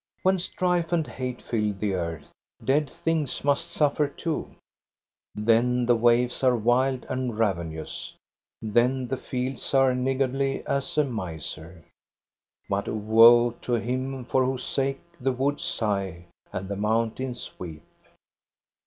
When strife and hate fill the earth, dead things must suffer too. Then the waves are wild and ravenous ; then the fields are niggardly as a miser. But woe to him for whose sake the woods sigh and the mountains weep.